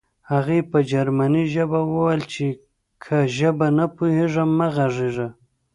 هغې په جرمني ژبه وویل چې که ژبه نه پوهېږې مه غږېږه